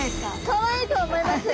かわいいとは思います。